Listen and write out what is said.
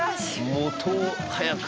元を早く。